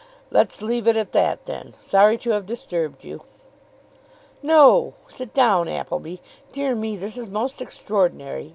"Let's leave it at that, then. Sorry to have disturbed you." "No, sit down, Appleby. Dear me, this is most extraordinary.